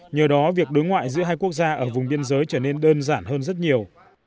nhờ đó việc đối ngoại giữa hai quốc gia ở vùng biên giới trở nên đơn giản hơn rất nhiều